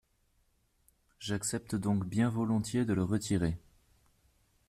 J’accepte donc bien volontiers de le retirer.